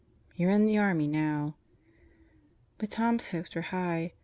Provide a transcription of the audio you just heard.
. you're in the army now!" But Tom's hopes were high.